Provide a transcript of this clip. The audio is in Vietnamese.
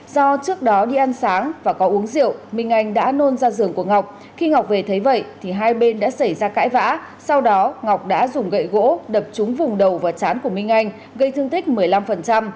do trước đó đi ăn sáng và có uống rượu minh anh đã nôn ra giường của ngọc khi ngọc về thấy vậy thì hai bên đã xảy ra cãi vã sau đó ngọc đã dùng gậy gỗ đập trúng vùng đầu và chán của minh anh gây thương tích một mươi năm